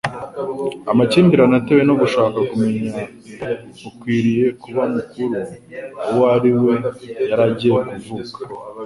Amakimbirane atewe no gushaka kumenya ukwiriye kuba mukuru uwo ari we yari agiye kuvuka,